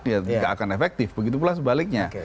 dia tidak akan efektif begitu pula sebaliknya